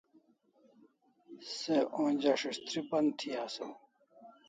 Se onja si's'trip'an thi asaw